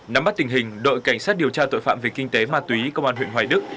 nắm bắt tình hình đội cảnh sát điều tra tội phạm về kinh tế ma túy công an huyện hoài đức